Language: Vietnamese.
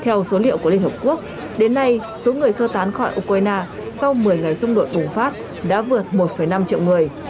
theo số liệu của liên hợp quốc đến nay số người sơ tán khỏi ukraine sau một mươi ngày xung đột bùng phát đã vượt một năm triệu người